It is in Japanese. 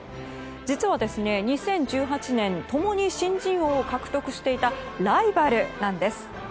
実は、２０１８年共に新人王を獲得していたライバルなんです。